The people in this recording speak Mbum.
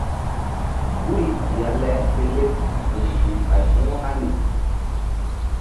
Guri ya le pele nzukri ɓay mbu̧h hani.